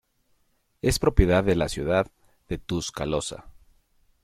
Es propiedad de la ciudad de Tuscaloosa.